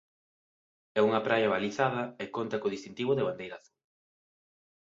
É unha praia balizada e conta co distintivo de Bandeira Azul.